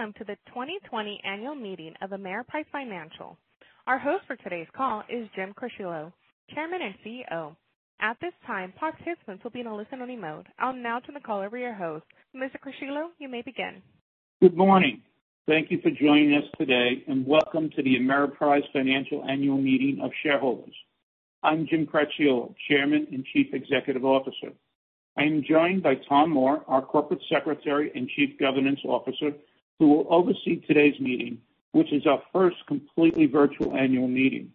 Welcome to the 2020 annual meeting of Ameriprise Financial. Our host for today's call is Jim Cracchiolo, Chairman and CEO. At this time, participants will be in a listen-only mode. I'll now turn the call over to your host. Mr. Cracchiolo, you may begin. Good morning. Thank you for joining us today, and welcome to the Ameriprise Financial Annual Meeting of Shareholders. I'm Jim Cracchiolo, Chairman and Chief Executive Officer. I am joined by Thomas R. Moore, our Corporate Secretary and Chief Governance Officer, who will oversee today's meeting, which is our first completely virtual annual meeting.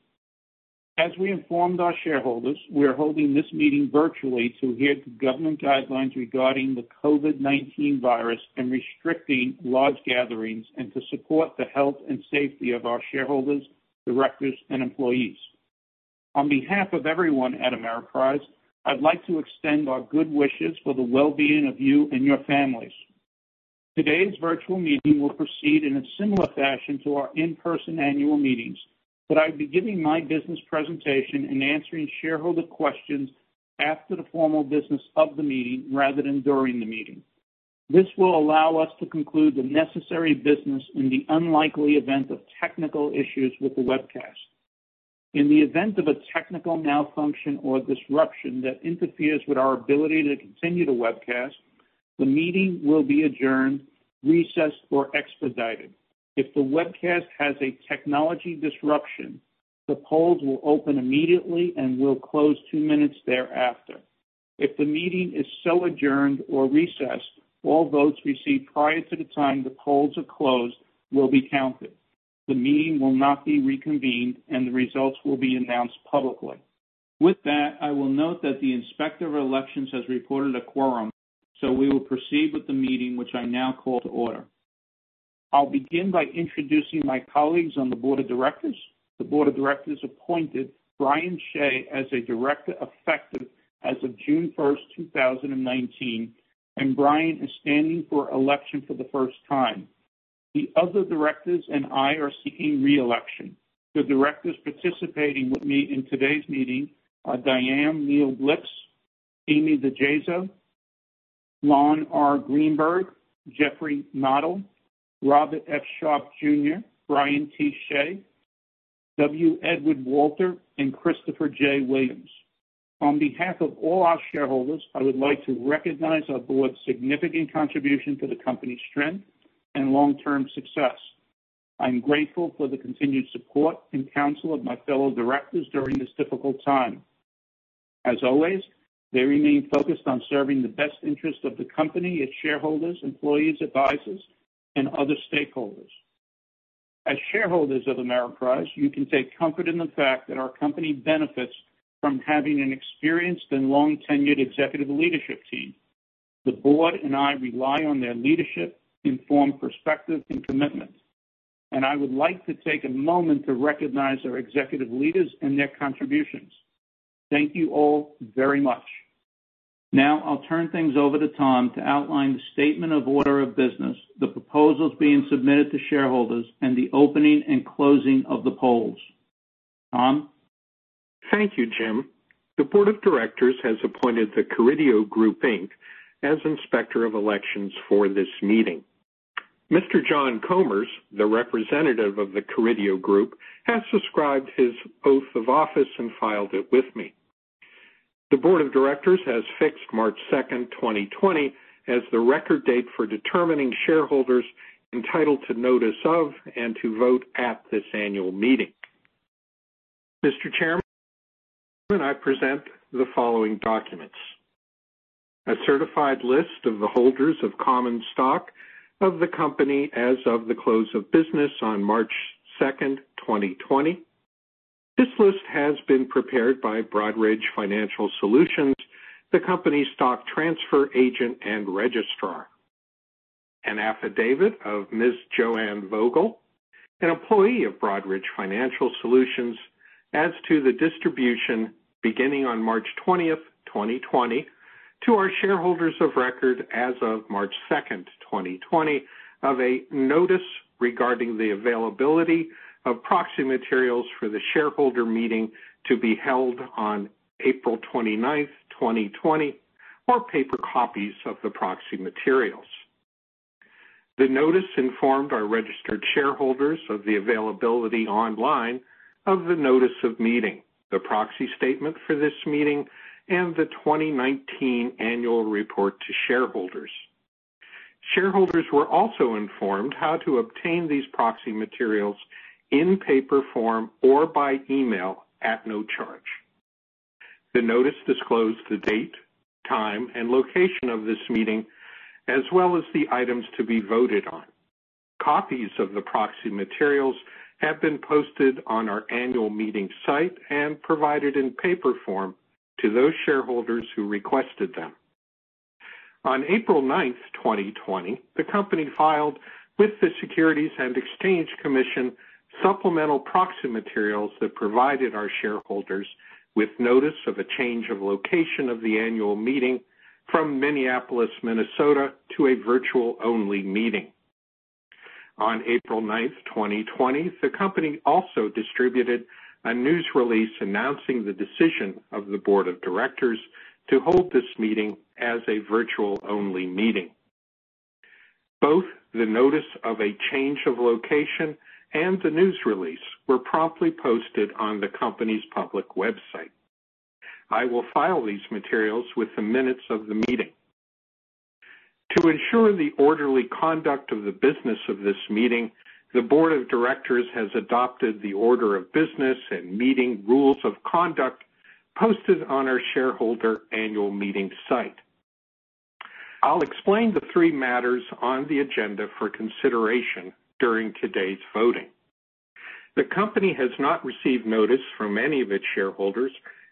As we informed our shareholders, we are holding this meeting virtually to adhere to government guidelines regarding the COVID-19 virus and restricting large gatherings and to support the health and safety of our shareholders, directors, and employees. On behalf of everyone at Ameriprise, I'd like to extend our good wishes for the well-being of you and your families. Today's virtual meeting will proceed in a similar fashion to our in-person annual meetings. I'll be giving my business presentation and answering shareholder questions after the formal business of the meeting rather than during the meeting. This will allow us to conclude the necessary business in the unlikely event of technical issues with the webcast. In the event of a technical malfunction or disruption that interferes with our ability to continue the webcast, the meeting will be adjourned, recessed, or expedited. If the webcast has a technology disruption, the polls will open immediately and will close 2 minutes thereafter. If the meeting is so adjourned or recessed, all votes received prior to the time the polls are closed will be counted. The meeting will not be reconvened. The results will be announced publicly. With that, I will note that the Inspector of Elections has reported a quorum. We will proceed with the meeting, which I now call to order. I'll begin by introducing my colleagues on the board of directors. The board of directors appointed Brian Shea as a director effective as of June 1st, 2019. Brian is standing for election for the first time. The other directors and I are seeking re-election. The directors participating with me in today's meeting are Dianne Neal Blixt, Amy DiGeso, Lon R. Greenberg, Jeffrey Noddle, Robert F. Sharpe, Jr., Brian T. Shea, W. Edward Walter, and Christopher J. Williams. On behalf of all our shareholders, I would like to recognize our board's significant contribution to the company's strength and long-term success. I'm grateful for the continued support and counsel of my fellow directors during this difficult time. As always, they remain focused on serving the best interest of the company, its shareholders, employees, advisors, and other stakeholders. As shareholders of Ameriprise, you can take comfort in the fact that our company benefits from having an experienced and long-tenured executive leadership team. The board and I rely on their leadership, informed perspective, and commitment, I would like to take a moment to recognize our executive leaders and their contributions. Thank you all very much. I'll turn things over to Tom to outline the statement of order of business, the proposals being submitted to shareholders, and the opening and closing of the polls. Tom? Thank you, Jim. The board of directors has appointed The Carideo Group, Inc. as Inspector of Elections for this meeting. Mr. Tony Carideo, the representative of The Carideo Group, has subscribed his oath of office and filed it with me. The board of directors has fixed March 2nd, 2020, as the record date for determining shareholders entitled to notice of and to vote at this annual meeting. Mr. Chairman, I present the following documents: a certified list of the holders of common stock of the company as of the close of business on March 2nd, 2020. This list has been prepared by Broadridge Financial Solutions, the company's stock transfer agent and registrar. An affidavit of Ms. Joanne Vogel, an employee of Broadridge Financial Solutions, as to the distribution beginning on March 20th, 2020, to our shareholders of record as of March 2nd, 2020, of a notice regarding the availability of proxy materials for the shareholder meeting to be held on April 29th, 2020, or paper copies of the proxy materials. The notice informed our registered shareholders of the availability online of the notice of meeting, the proxy statement for this meeting, and the 2019 annual report to shareholders. Shareholders were also informed how to obtain these proxy materials in paper form or by email at no charge. The notice disclosed the date, time, and location of this meeting as well as the items to be voted on. Copies of the proxy materials have been posted on our annual meeting site and provided in paper form to those shareholders who requested them. On April 9th, 2020, the company filed with the Securities and Exchange Commission supplemental proxy materials that provided our shareholders with notice of a change of location of the annual meeting from Minneapolis, Minnesota, to a virtual-only meeting. On April 9th, 2020, the company also distributed a news release announcing the decision of the board of directors to hold this meeting as a virtual-only meeting. Both the notice of a change of location and the news release were promptly posted on the company's public website. I will file these materials with the minutes of the meeting. To ensure the orderly conduct of the business of this meeting, the board of directors has adopted the order of business and meeting rules of conduct posted on our shareholder annual meeting site. I'll explain the three matters on the agenda for consideration during today's voting. The company has not received notice from any of its shareholders,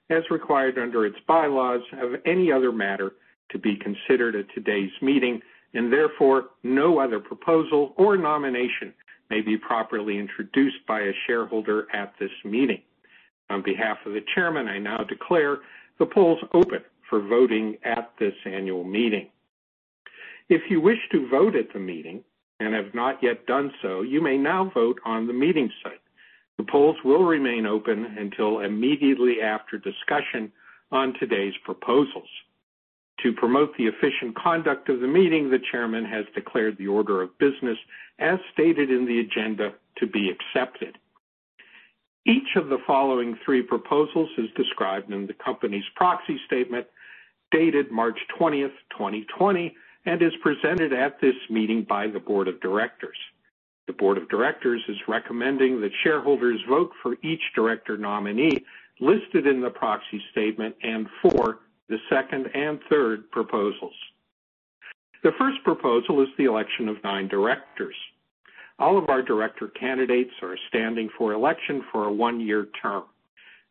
as required under its bylaws, of any other matter to be considered at today's meeting. Therefore, no other proposal or nomination may be properly introduced by a shareholder at this meeting. On behalf of the chairman, I now declare the polls open for voting at this annual meeting. If you wish to vote at the meeting and have not yet done so, you may now vote on the meeting site. The polls will remain open until immediately after discussion on today's proposals. To promote the efficient conduct of the meeting, the chairman has declared the order of business, as stated in the agenda, to be accepted. Each of the following three proposals is described in the company's proxy statement, dated March 20, 2020, and is presented at this meeting by the board of directors. The board of directors is recommending that shareholders vote for each director nominee listed in the proxy statement and for the second and third proposals. The first proposal is the election of nine directors. All of our director candidates are standing for election for a one-year term.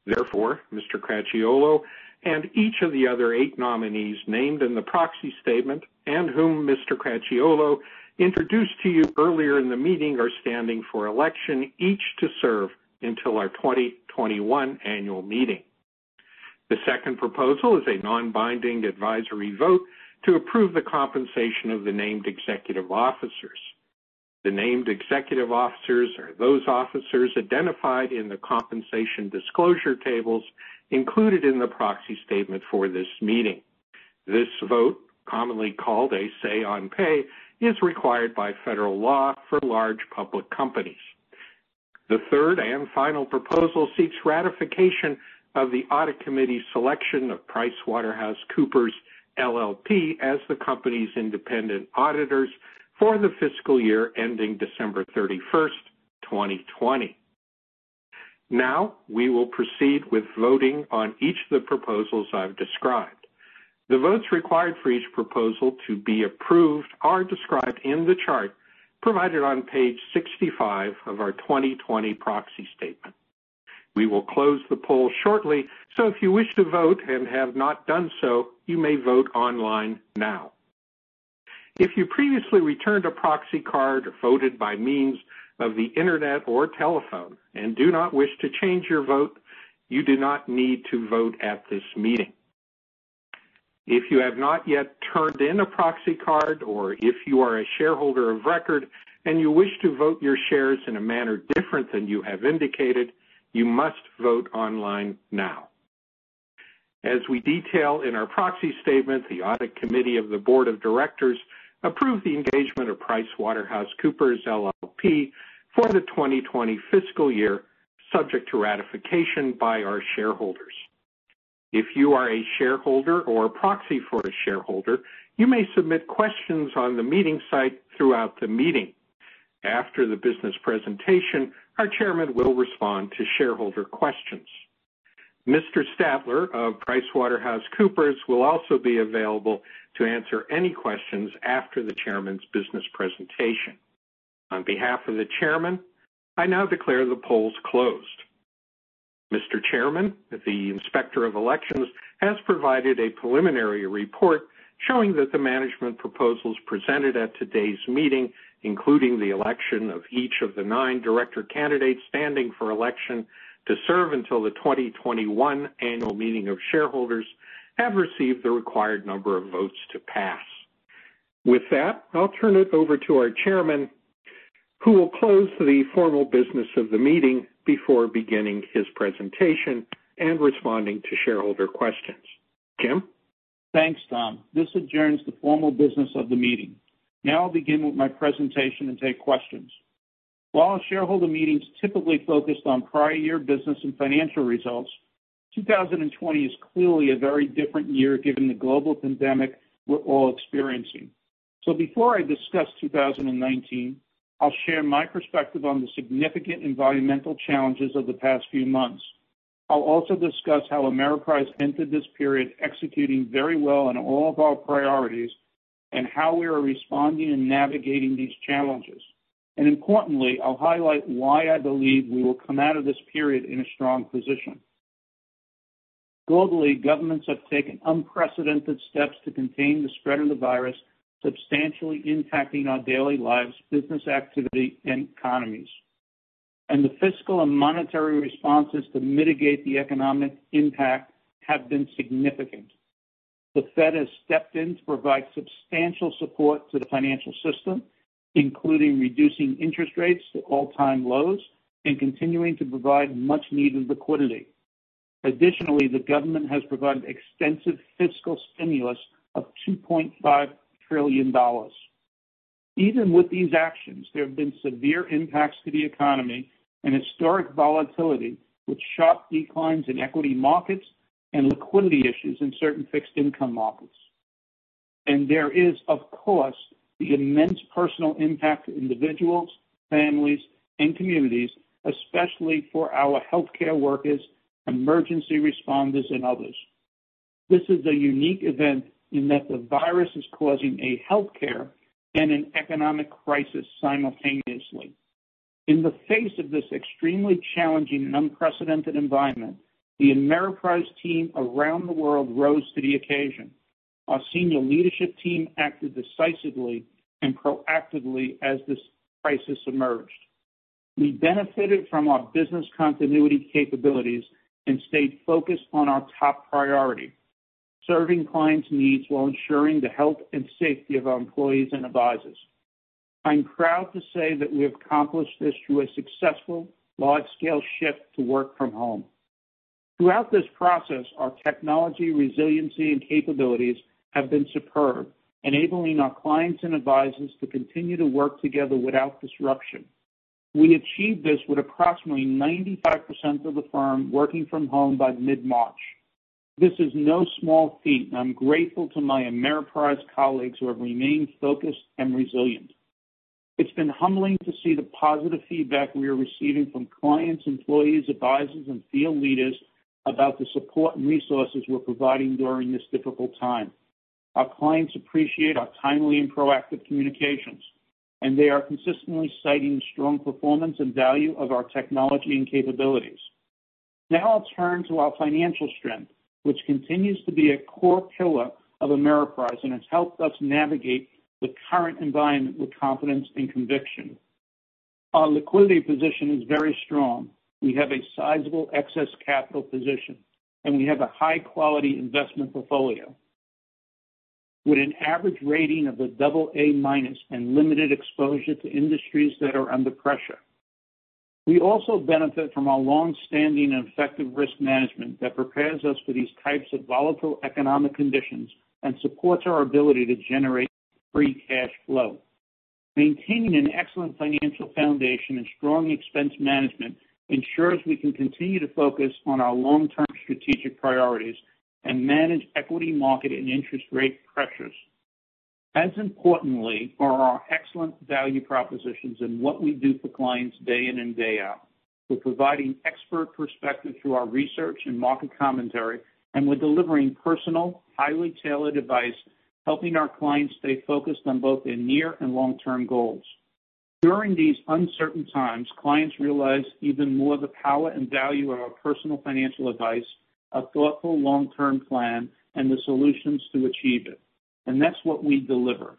Therefore, Mr. Cracchiolo and each of the other eight nominees named in the proxy statement, and whom Mr. Cracchiolo introduced to you earlier in the meeting, are standing for election, each to serve until our 2021 annual meeting. The second proposal is a non-binding advisory vote to approve the compensation of the named executive officers. The named executive officers are those officers identified in the compensation disclosure tables included in the proxy statement for this meeting. This vote, commonly called a Say-on-Pay, is required by federal law for large public companies. The third and final proposal seeks ratification of the audit committee's selection of PricewaterhouseCoopers LLP as the company's independent auditors for the fiscal year ending December 31, 2020. We will proceed with voting on each of the proposals I've described. The votes required for each proposal to be approved are described in the chart provided on page 65 of our 2020 proxy statement. We will close the poll shortly. If you wish to vote and have not done so, you may vote online now. If you previously returned a proxy card or voted by means of the internet or telephone and do not wish to change your vote, you do not need to vote at this meeting. If you have not yet turned in a proxy card or if you are a shareholder of record and you wish to vote your shares in a manner different than you have indicated, you must vote online now. As we detail in our proxy statement, the audit committee of the board of directors approved the engagement of PricewaterhouseCoopers LLP for the 2020 fiscal year, subject to ratification by our shareholders. If you are a shareholder or a proxy for a shareholder, you may submit questions on the meeting site throughout the meeting. After the business presentation, our chairman will respond to shareholder questions. Mr. Stadler of PricewaterhouseCoopers will also be available to answer any questions after the chairman's business presentation. On behalf of the chairman, I now declare the polls closed. Mr. Chairman, the Inspector of Elections, has provided a preliminary report showing that the management proposals presented at today's meeting, including the election of each of the nine director candidates standing for election to serve until the 2021 annual meeting of shareholders have received the required number of votes to pass. With that, I'll turn it over to our chairman, who will close the formal business of the meeting before beginning his presentation and responding to shareholder questions. Jim? Thanks, Tom. This adjourns the formal business of the meeting. I'll begin with my presentation and take questions. While a shareholder meeting's typically focused on prior year business and financial results, 2020 is clearly a very different year given the global pandemic we're all experiencing. Before I discuss 2019, I'll share my perspective on the significant environmental challenges of the past few months. I'll also discuss how Ameriprise entered this period executing very well on all of our priorities and how we are responding and navigating these challenges. Importantly, I'll highlight why I believe we will come out of this period in a strong position. Globally, governments have taken unprecedented steps to contain the spread of the virus, substantially impacting our daily lives, business activity, and economies. The fiscal and monetary responses to mitigate the economic impact have been significant. The Fed has stepped in to provide substantial support to the financial system, including reducing interest rates to all-time lows and continuing to provide much-needed liquidity. Additionally, the government has provided extensive fiscal stimulus of $2.5 trillion. Even with these actions, there have been severe impacts to the economy and historic volatility, with sharp declines in equity markets and liquidity issues in certain fixed income markets. There is, of course, the immense personal impact to individuals, families, and communities, especially for our healthcare workers, emergency responders, and others. This is a unique event in that the virus is causing a healthcare and an economic crisis simultaneously. In the face of this extremely challenging and unprecedented environment, the Ameriprise team around the world rose to the occasion. Our senior leadership team acted decisively and proactively as this crisis emerged. We benefited from our business continuity capabilities and stayed focused on our top priority, serving clients' needs while ensuring the health and safety of our employees and advisors. I'm proud to say that we have accomplished this through a successful wide-scale shift to work from home. Throughout this process, our technology resiliency and capabilities have been superb, enabling our clients and advisors to continue to work together without disruption. We achieved this with approximately 95% of the firm working from home by mid-March. This is no small feat, and I'm grateful to my Ameriprise colleagues who have remained focused and resilient. It's been humbling to see the positive feedback we are receiving from clients, employees, advisors, and field leaders about the support and resources we're providing during this difficult time. Our clients appreciate our timely and proactive communications, and they are consistently citing strong performance and value of our technology and capabilities. Now I'll turn to our financial strength, which continues to be a core pillar of Ameriprise and has helped us navigate the current environment with confidence and conviction. Our liquidity position is very strong. We have a sizable excess capital position, and we have a high-quality investment portfolio with an average rating of a double A-minus and limited exposure to industries that are under pressure. We also benefit from our long-standing and effective risk management that prepares us for these types of volatile economic conditions and supports our ability to generate free cash flow. Maintaining an excellent financial foundation and strong expense management ensures we can continue to focus on our long-term strategic priorities and manage equity market and interest rate pressures. As importantly are our excellent value propositions and what we do for clients day in and day out. We're providing expert perspective through our research and market commentary, and we're delivering personal, highly tailored advice, helping our clients stay focused on both their near and long-term goals. During these uncertain times, clients realize even more the power and value of our personal financial advice, a thoughtful long-term plan, and the solutions to achieve it, and that's what we deliver.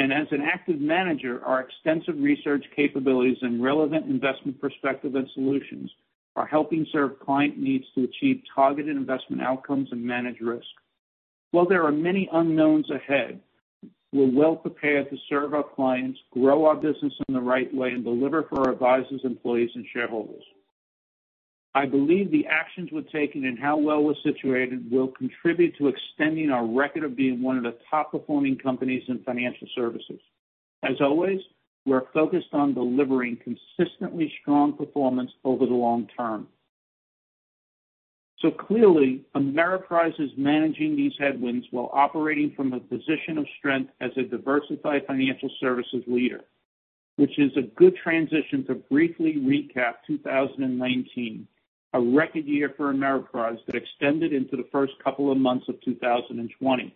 As an active manager, our extensive research capabilities and relevant investment perspective and solutions are helping serve client needs to achieve targeted investment outcomes and manage risk. While there are many unknowns ahead, we're well prepared to serve our clients, grow our business in the right way, and deliver for our advisors, employees, and shareholders. I believe the actions we've taken and how well we're situated will contribute to extending our record of being one of the top-performing companies in financial services. As always, we're focused on delivering consistently strong performance over the long term. Clearly, Ameriprise is managing these headwinds while operating from a position of strength as a diversified financial services leader, which is a good transition to briefly recap 2019, a record year for Ameriprise that extended into the first couple of months of 2020.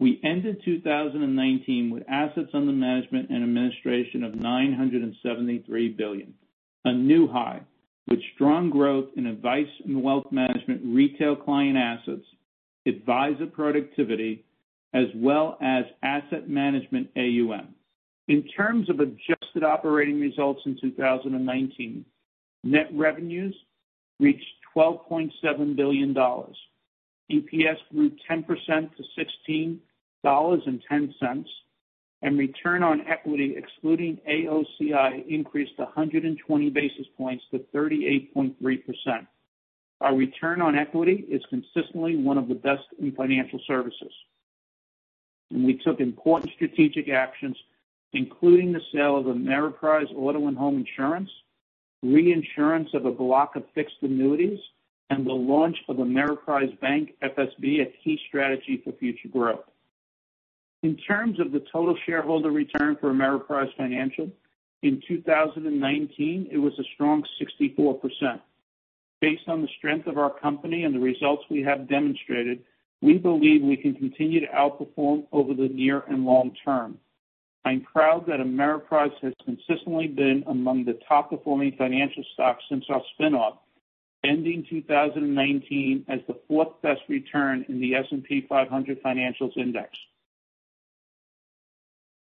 We ended 2019 with assets under management and administration of $973 billion, a new high, with strong growth in advice and wealth management, retail client assets, advisor productivity, as well as asset management AUM. In terms of adjusted operating results in 2019, net revenues reached $12.7 billion. EPS grew 10% to $16.10, and return on equity, excluding AOCI, increased 120 basis points to 38.3%. Our return on equity is consistently one of the best in financial services. We took important strategic actions, including the sale of Ameriprise Auto & Home Insurance, reinsurance of a block of fixed annuities, and the launch of Ameriprise Bank, FSB, a key strategy for future growth. In terms of the total shareholder return for Ameriprise Financial, in 2019, it was a strong 64%. Based on the strength of our company and the results we have demonstrated, we believe we can continue to outperform over the near and long term. I'm proud that Ameriprise has consistently been among the top-performing financial stocks since our spin-off, ending 2019 as the fourth-best return in the S&P 500 Financials index.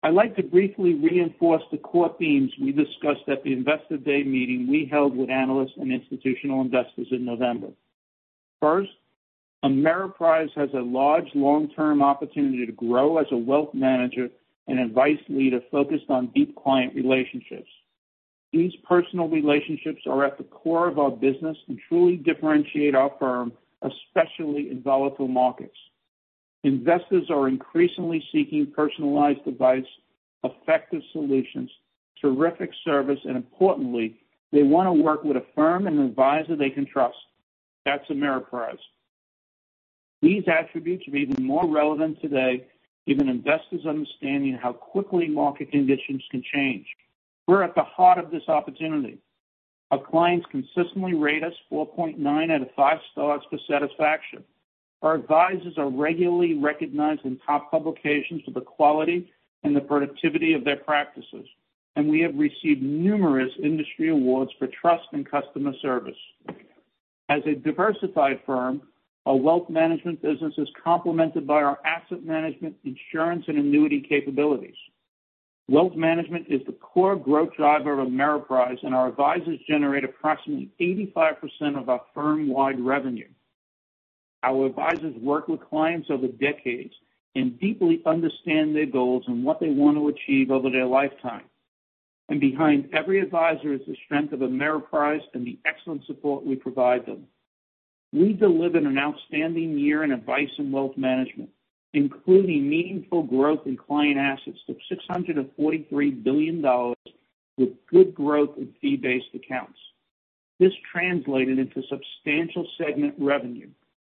I'd like to briefly reinforce the core themes we discussed at the Investor Day meeting we held with analysts and institutional investors in November. First, Ameriprise has a large long-term opportunity to grow as a wealth manager and advice leader focused on deep client relationships. These personal relationships are at the core of our business and truly differentiate our firm, especially in volatile markets. Investors are increasingly seeking personalized advice, effective solutions, terrific service, and importantly, they want to work with a firm and advisor they can trust. That's Ameriprise. These attributes are even more relevant today, given investors' understanding how quickly market conditions can change. We're at the heart of this opportunity. Our clients consistently rate us 4.9 out of 5 stars for satisfaction. Our advisors are regularly recognized in top publications for the quality and the productivity of their practices, we have received numerous industry awards for trust and customer service. As a diversified firm, our wealth management business is complemented by our asset management, insurance, and annuity capabilities. Wealth management is the core growth driver of Ameriprise, our advisors generate approximately 85% of our firm-wide revenue. Our advisors work with clients over decades and deeply understand their goals and what they want to achieve over their lifetime. Behind every advisor is the strength of Ameriprise and the excellent support we provide them. We delivered an outstanding year in advice and wealth management, including meaningful growth in client assets to $643 billion, with good growth in fee-based accounts. This translated into substantial segment revenue,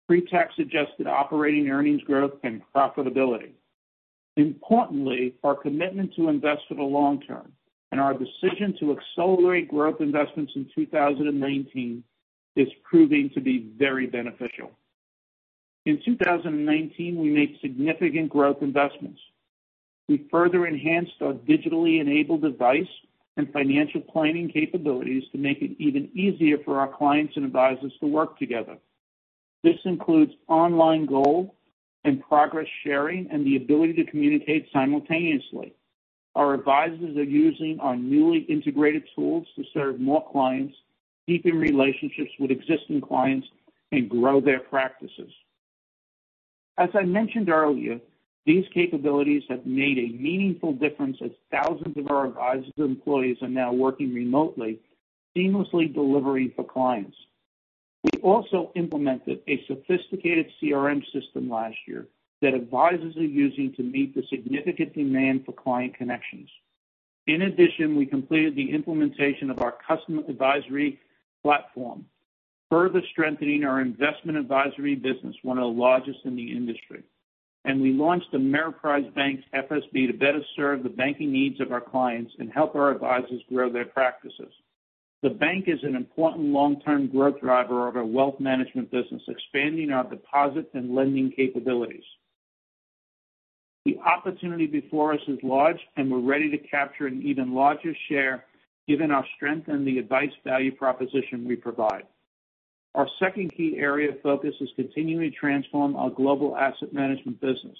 pre-tax adjusted operating earnings growth, and profitability. Importantly, our commitment to invest for the long term and our decision to accelerate growth investments in 2019 is proving to be very beneficial. In 2019, we made significant growth investments. We further enhanced our digitally enabled advice and financial planning capabilities to make it even easier for our clients and advisors to work together. This includes online goal and progress sharing and the ability to communicate simultaneously. Our advisors are using our newly integrated tools to serve more clients, deepen relationships with existing clients, and grow their practices. As I mentioned earlier, these capabilities have made a meaningful difference as thousands of our advisor employees are now working remotely, seamlessly delivering for clients. We also implemented a sophisticated CRM system last year that advisors are using to meet the significant demand for client connections. In addition, we completed the implementation of our custom advisory platform, further strengthening our investment advisory business, one of the largest in the industry. We launched Ameriprise Bank, FSB to better serve the banking needs of our clients and help our advisors grow their practices. The bank is an important long-term growth driver of our wealth management business, expanding our deposit and lending capabilities. The opportunity before us is large, and we're ready to capture an even larger share given our strength and the advice value proposition we provide. Our second key area of focus is continuing to transform our global asset management business,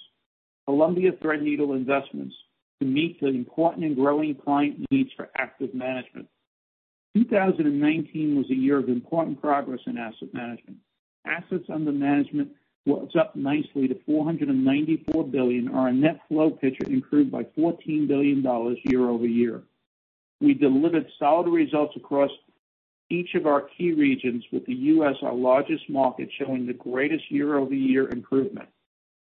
Columbia Threadneedle Investments, to meet the important and growing client needs for active management. 2019 was a year of important progress in asset management. Assets under management was up nicely to $494 billion on our net flow picture improved by $14 billion year-over-year. We delivered solid results across each of our key regions with the U.S., our largest market, showing the greatest year-over-year improvement.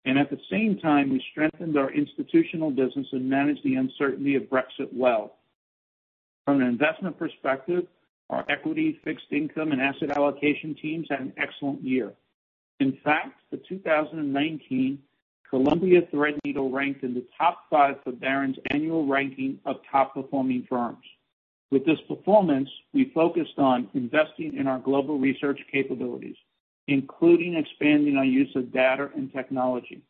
At the same time, we strengthened our institutional business and managed the uncertainty of Brexit well. From an investment perspective, our equity, fixed income, and asset allocation teams had an excellent year. In fact, for 2019, Columbia Threadneedle ranked in the top five of Barron's annual ranking of top-performing firms. With this performance, we focused on investing in our global research capabilities, including expanding our use of data and technology,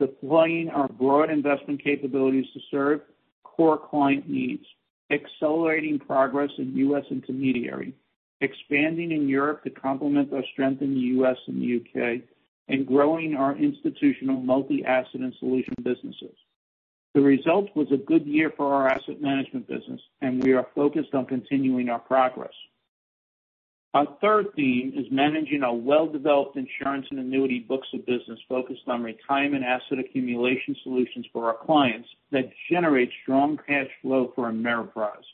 deploying our broad investment capabilities to serve core client needs, accelerating progress in U.S. intermediary, expanding in Europe to complement our strength in the U.S. and the U.K., and growing our institutional multi-asset and solution businesses. The result was a good year for our asset management business, and we are focused on continuing our progress. Our third theme is managing our well-developed insurance and annuity books of business focused on retirement asset accumulation solutions for our clients that generate strong cash flow for Ameriprise.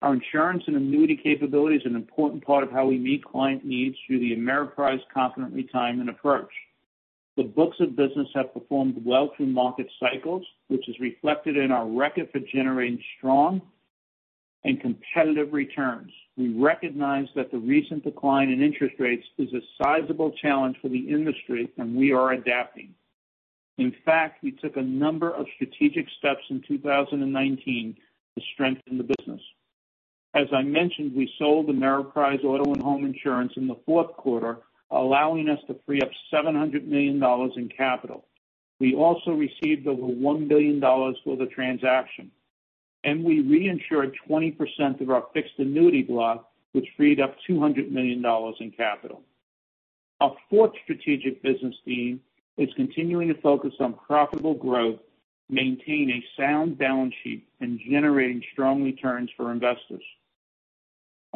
Our insurance and annuity capability is an important part of how we meet client needs through the Ameriprise Confident Retirement approach. The books of business have performed well through market cycles, which is reflected in our record for generating strong and competitive returns. We recognize that the recent decline in interest rates is a sizable challenge for the industry, and we are adapting. In fact, we took a number of strategic steps in 2019 to strengthen the business. As I mentioned, we sold Ameriprise Auto & Home Insurance in the fourth quarter, allowing us to free up $700 million in capital. We also received over $1 billion for the transaction, and we reinsured 20% of our fixed annuity block, which freed up $200 million in capital. Our fourth strategic business theme is continuing to focus on profitable growth, maintaining a sound balance sheet, and generating strong returns for investors.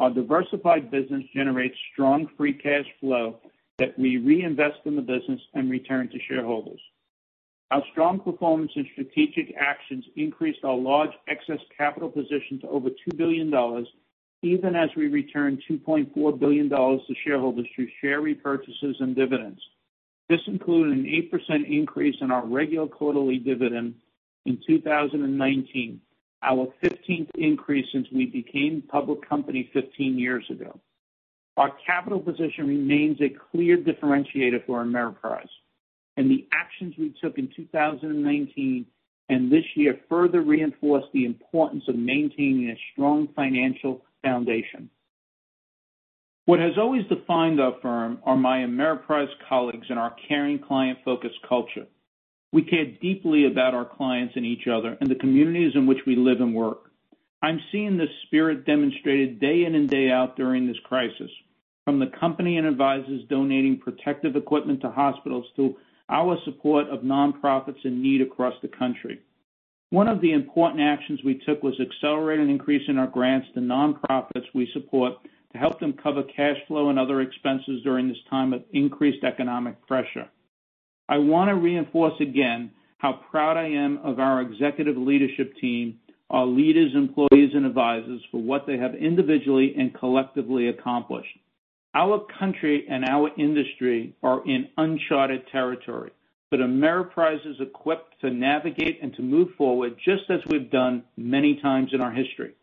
Our diversified business generates strong free cash flow that we reinvest in the business and return to shareholders. Our strong performance and strategic actions increased our large excess capital position to over $2 billion, even as we returned $2.4 billion to shareholders through share repurchases and dividends. This included an 8% increase in our regular quarterly dividend in 2019, our 15th increase since we became a public company 15 years ago. Our capital position remains a clear differentiator for Ameriprise, and the actions we took in 2019 and this year further reinforce the importance of maintaining a strong financial foundation. What has always defined our firm are my Ameriprise colleagues and our caring, client-focused culture. We care deeply about our clients and each other, and the communities in which we live and work. I'm seeing this spirit demonstrated day in and day out during this crisis, from the company and advisors donating protective equipment to hospitals, to our support of nonprofits in need across the country. One of the important actions we took was accelerate an increase in our grants to nonprofits we support to help them cover cash flow and other expenses during this time of increased economic pressure. I want to reinforce again how proud I am of our executive leadership team, our leaders, employees, and advisors for what they have individually and collectively accomplished. Our country and our industry are in uncharted territory, but Ameriprise is equipped to navigate and to move forward, just as we've done many times in our history.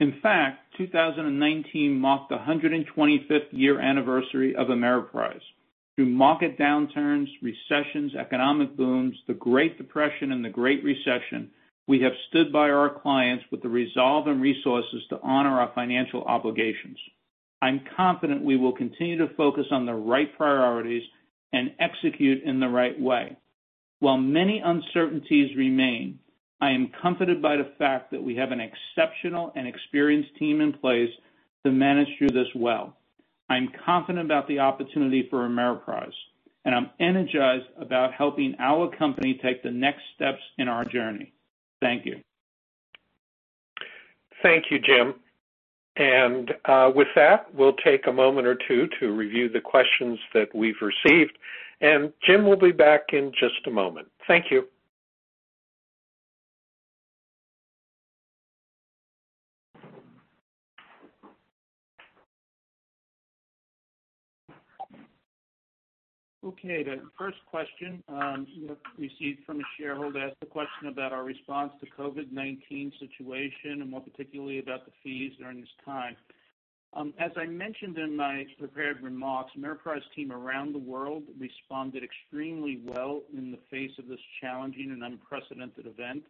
In fact, 2019 marked 125th year anniversary of Ameriprise. Through market downturns, recessions, economic booms, the Great Depression, and the Great Recession, we have stood by our clients with the resolve and resources to honor our financial obligations. I'm confident we will continue to focus on the right priorities and execute in the right way. While many uncertainties remain, I am comforted by the fact that we have an exceptional and experienced team in place to manage through this well. I'm confident about the opportunity for Ameriprise, and I'm energized about helping our company take the next steps in our journey. Thank you. Thank you, Jim. With that, we'll take a moment or two to review the questions that we've received, and Jim will be back in just a moment. Thank you. Okay. The first question we have received from a shareholder asked a question about our response to COVID-19 situation, and more particularly, about the fees during this time. As I mentioned in my prepared remarks, Ameriprise team around the world responded extremely well in the face of this challenging and unprecedented event.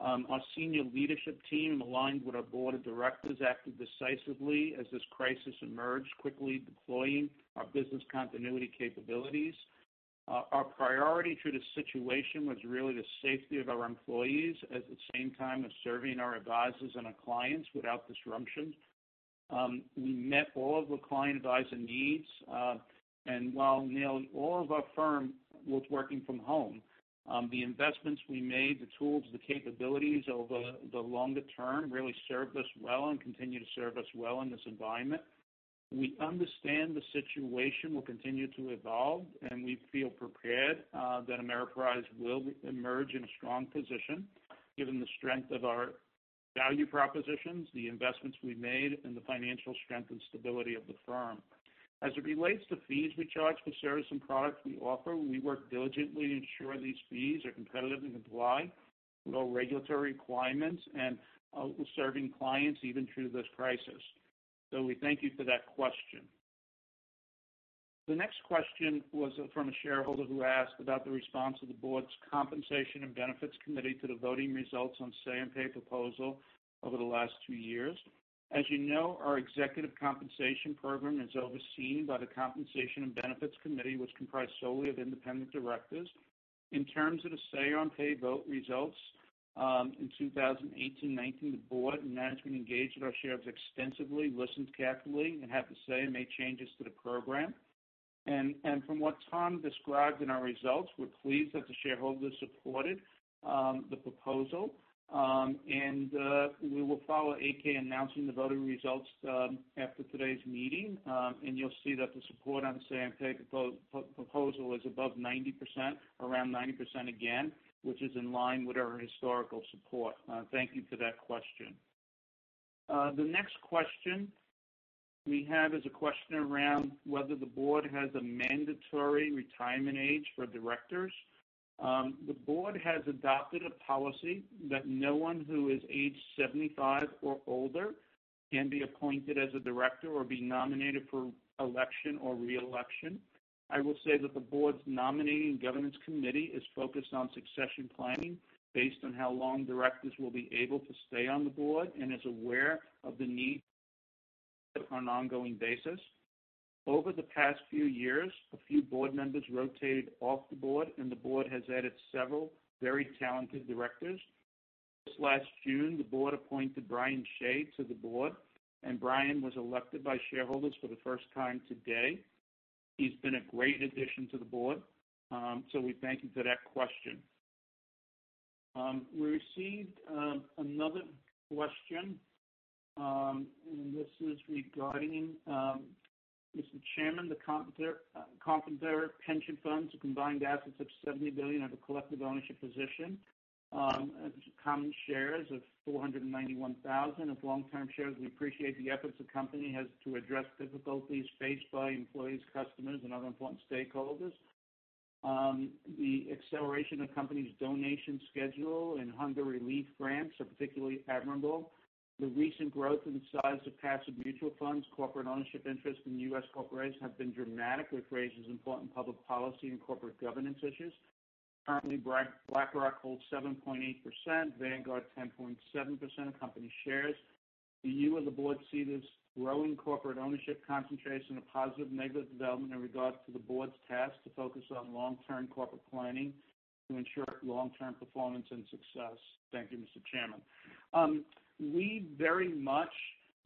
Our senior leadership team, aligned with our board of directors, acted decisively as this crisis emerged, quickly deploying our business continuity capabilities. Our priority through the situation was really the safety of our employees, at the same time as serving our advisors and our clients without disruption. We met all of the client advisor needs. While nearly all of our firm was working from home, the investments we made, the tools, the capabilities over the longer term really served us well and continue to serve us well in this environment. We understand the situation will continue to evolve, and we feel prepared that Ameriprise will emerge in a strong position given the strength of our value propositions, the investments we've made, and the financial strength and stability of the firm. As it relates to fees we charge for service and products we offer, we work diligently to ensure these fees are competitive and comply with all regulatory requirements and with serving clients even through this crisis. We thank you for that question. The next question was from a shareholder who asked about the response of the board's compensation and benefits committee to the voting results on Say-on-Pay proposal over the last two years. As you know, our executive compensation program is overseen by the compensation and benefits committee, which comprised solely of independent directors. In terms of the Say-on-Pay vote results, in 2018 and 2019, the board and management engaged with our shareholders extensively, listened carefully, and have to say, made changes to the program. From what Tom described in our results, we're pleased that the shareholders supported the proposal. We will follow 8-K announcing the voting results after today's meeting. You'll see that the support on Say-on-Pay proposal is above 90%, around 90% again, which is in line with our historical support. Thank you for that question. The next question we have is a question around whether the board has a mandatory retirement age for directors. The board has adopted a policy that no one who is aged 75 or older can be appointed as a director or be nominated for election or re-election. I will say that the board's nominating governance committee is focused on succession planning based on how long directors will be able to stay on the board and is aware of the need on an ongoing basis. Over the past few years, a few board members rotated off the board, and the board has added several very talented directors. This last June, the board appointed Brian Shea to the board, Brian was elected by shareholders for the first time today. He's been a great addition to the board. We thank you for that question. We received another question, this is regarding, "Mr. Chairman, the Confederation Pension Funds have combined assets of $70 billion, have a collective ownership position of common shares of 491,000 as long-term shares. We appreciate the efforts the company has to address difficulties faced by employees, customers, and other important stakeholders. The acceleration of company's donation schedule and hunger relief grants are particularly admirable. The recent growth in the size of passive mutual funds, corporate ownership interest in the U.S. corporations have been dramatic, which raises important public policy and corporate governance issues. Currently, BlackRock holds 7.8%, Vanguard 10.7% of company shares. Do you or the board see this growing corporate ownership concentration a positive, negative development in regards to the board's task to focus on long-term corporate planning to ensure long-term performance and success? Thank you, Mr. Chairman." We very much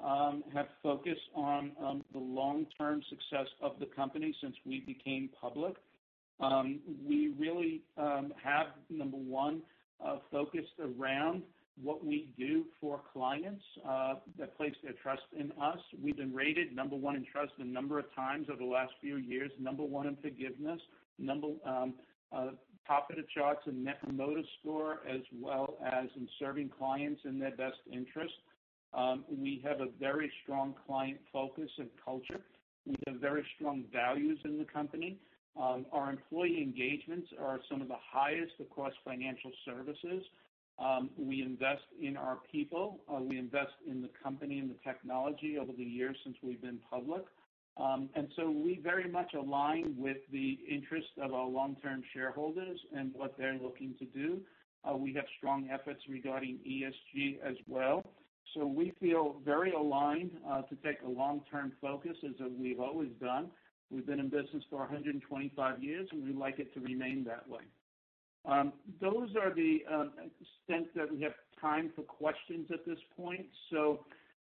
have focused on the long-term success of the company since we became public. We really have, number 1, focused around what we do for clients that place their trust in us. We've been rated number 1 in trust a number of times over the last few years, number 1 in forgiveness, top of the charts in Net Promoter Score, as well as in serving clients in their best interest. We have a very strong client focus and culture. We have very strong values in the company. Our employee engagements are some of the highest across financial services. We invest in our people. We invest in the company and the technology over the years since we've been public. We very much align with the interest of our long-term shareholders and what they're looking to do. We have strong efforts regarding ESG as well. We feel very aligned to take a long-term focus, as we've always done. We've been in business for 125 years, and we like it to remain that way. Those are the extent that we have time for questions at this point.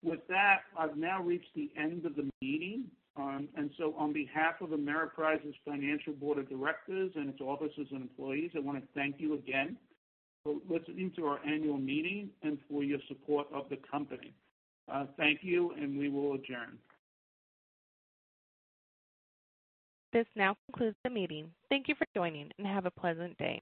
With that, I've now reached the end of the meeting. On behalf of Ameriprise Financial Board of Directors and its officers and employees, I want to thank you again for listening to our annual meeting and for your support of the company. Thank you, and we will adjourn. This now concludes the meeting. Thank you for joining, and have a pleasant day.